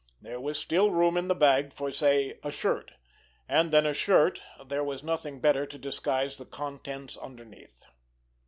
There was still room in the bag for, say, a shirt; and, than a shirt there was nothing better to disguise the contents underneath.